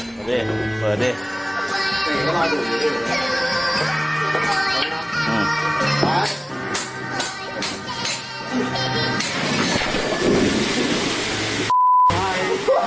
เอาด้วยเปิดด้วย